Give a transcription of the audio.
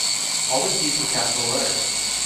All the keys were capital letters.